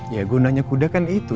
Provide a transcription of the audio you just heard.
ya gunanya kuda kan itu